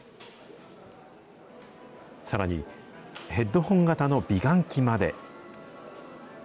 さらに、ヘッドホン型の美顔器まで。